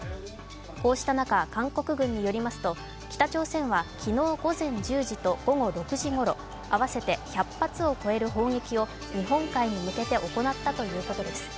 こうした中、韓国軍によりますと北朝鮮は昨日午前１０時と午後６時ごろ合わせて１００発を超える砲撃を日本海に向けて行ったということです。